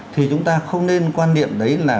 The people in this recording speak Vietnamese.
thì chúng ta không nên quan niệm đấy là